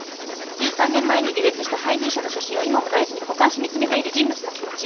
１３年前に離別した配偶者の写真を今も大事に保管し見詰めている人物の気持ち。